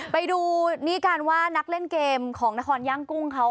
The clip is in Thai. ไปดูนี่กันว่านักเล่นเกมของนครย่างกุ้งเขา